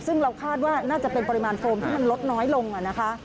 ซึ่งเราคาดว่าน่าจะเป็นปริมาณโฟมที่มันลดน้อยลงนะคะ